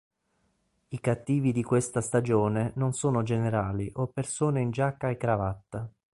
I cattivi di questa stagione non sono generali o persone in giacca e cravatta.